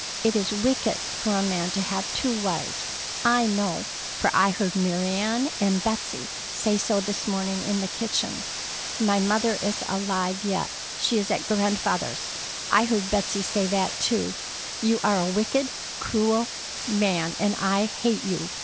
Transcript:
It is wicked for a man to have two wives. I know, for I heard Mary Ann and Betsey say so this morning in the kitchen. My mother is alive yet. She is at Grandfather's. I heard Betsey say that too. You are a wicked, cruel man, and I hate you.